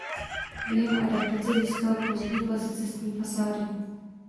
Během adaptace získal pozdně klasicistní fasády.